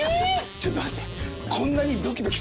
ちょっと待って。